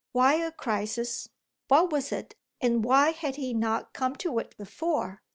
Why a crisis what was it and why had he not come to it before?